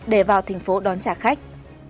để vào thành phố đón trả khách